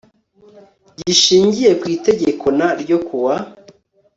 Gishingiye ku Itegeko N ryo kuwa